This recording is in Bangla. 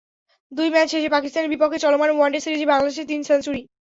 দুই ম্যাচ শেষে পাকিস্তানের বিপক্ষে চলমান ওয়ানডে সিরিজে বাংলাদেশের তিন সেঞ্চুরি।